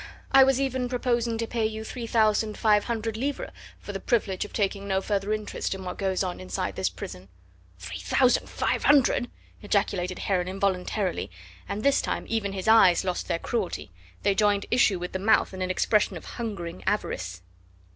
I was even proposing to pay you three thousand five hundred livres for the privilege of taking no further interest in what goes on inside this prison!" "Three thousand five hundred!" ejaculated Heron involuntarily, and this time even his eyes lost their cruelty; they joined issue with the mouth in an expression of hungering avarice.